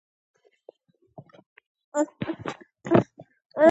دا د صحت موندلو لپاره زما رسمي رخصتي ده.